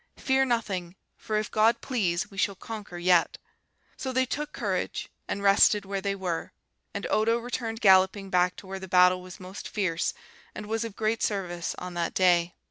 fear nothing, for if God please, we shall conquer yet.' So they took courage, and rested where they were; and Odo returned galloping back to where the battle was most fierce, and was of great service on that day.